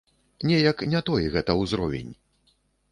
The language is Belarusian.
Неяк не той гэта ўзровень.